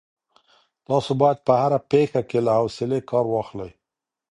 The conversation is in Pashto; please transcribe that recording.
تاسو باید په هره پېښه کي له حوصلې کار واخلئ.